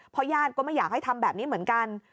ญาติก็ไม่อยากให้ทำแบบนี้เหมือนกัน